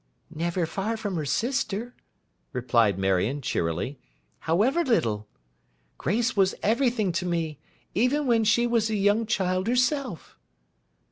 'Never far from her sister,' said Marion, cheerily, 'however little. Grace was everything to me, even when she was a young child herself.